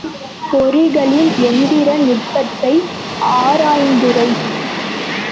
பொறிகளின் எந்திர நுட்பத்தை ஆராயுந்துறை.